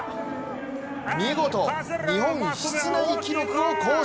見事、日本室内記録を更新。